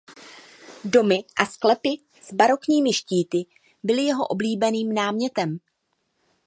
Domy a sklepy s barokními štíty byly jeho oblíbeným námětem.